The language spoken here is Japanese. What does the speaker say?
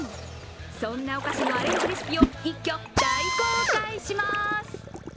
そんなお菓子のアレンジレシピを一挙、大公開します！